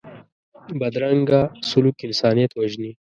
بدرنګه سلوک انسانیت وژني